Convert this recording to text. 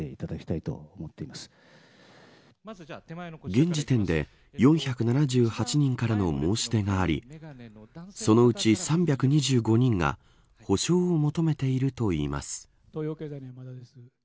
現時点で４７８人からの申し出がありそのうち３２５人が補償を求めているといいます。